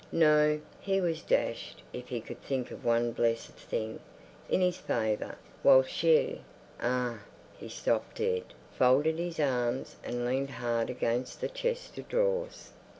No, he was dashed if he could think of one blessed thing in his favour, while she.... Ah!... He stopped dead, folded his arms, and leaned hard against the chest of drawers.